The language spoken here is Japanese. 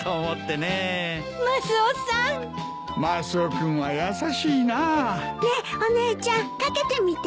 ねえお姉ちゃん掛けてみて。